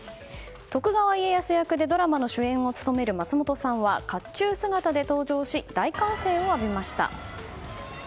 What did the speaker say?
徳川家康役でドラマの主演を務める松本さんは甲冑姿で登場し大歓声を浴びました。